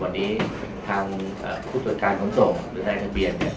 วันนี้ทางเอ่อผู้สุดการณ์ของตรงหรือทางทางเบียนเนี่ย